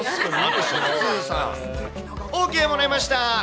ＯＫもらいました。